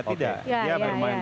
tidak dia bermain